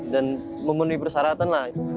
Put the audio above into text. dan memenuhi persyaratan